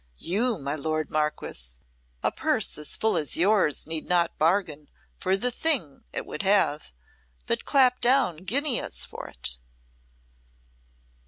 "You, my lord Marquess; a purse as full as yours need not bargain for the thing it would have, but clap down guineas for it."